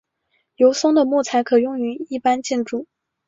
油松的木材可用于一般建筑。